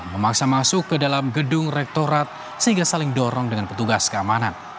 memaksa masuk ke dalam gedung rektorat sehingga saling dorong dengan petugas keamanan